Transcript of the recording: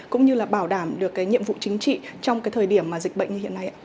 cũng như là bảo đảm được nhiệm vụ chính trị trong thời điểm dịch bệnh như hiện nay ạ